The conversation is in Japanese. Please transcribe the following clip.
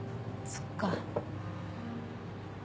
そっか。